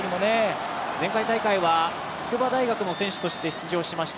前回大会は筑波大学の選手として出場しました